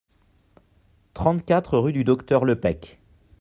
trente-quatre rue du Docteur Lepec